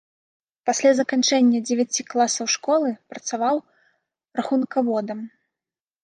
Пасля заканчэння дзевяці класаў школы працаваў рахункаводам.